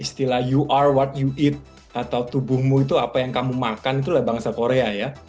istilah you r what you eat atau tubuhmu itu apa yang kamu makan itulah bangsa korea ya